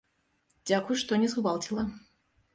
Дзякуй, што не згвалціла.